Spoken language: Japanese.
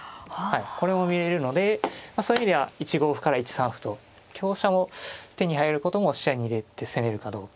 これも見えるのでそういう意味では１五歩から１三歩と香車も手に入ることも視野に入れて攻めるかどうか。